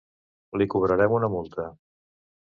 Li cobrarem una multa.